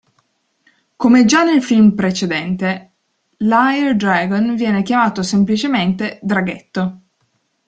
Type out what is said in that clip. Come già nel film precedente, l'Hire Dragon viene chiamato semplicemente "draghetto".